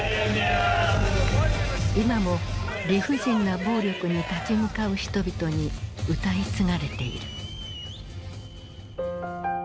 今も理不尽な暴力に立ち向かう人々に歌い継がれている。